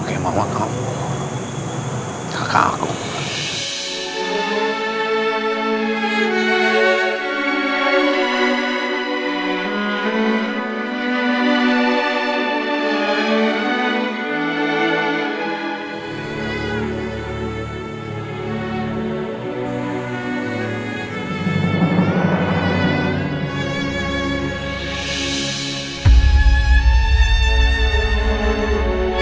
kut yang kut sorry